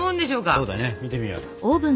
そうだね見てみよう。